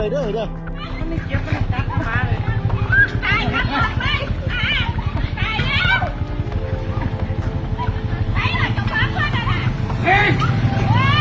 มีสองหมาออกมาเลย